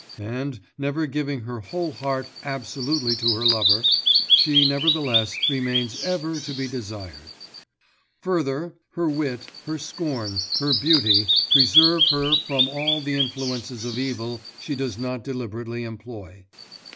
And, never giving her whole heart absolutely to her lover, she, nevertheless, remains ever to be desired. Further, her wit, her scorn, her beauty preserve her from all the influences of evil she does not deliberately employ.